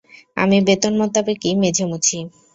আমি বেতন মোতাবেকই মেঝে মুছি।